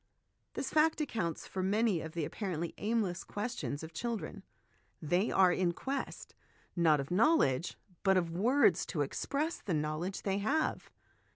This fact accounts 68 HOME EDUCATION for many of the apparently aimless questions of children ; they are in quest, not of knowledge, but of words to express the knowledge they have.